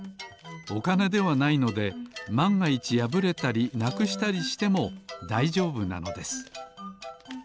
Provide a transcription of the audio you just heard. おかねではないのでまんがいちやぶれたりなくしたりしてもだいじょうぶなのです。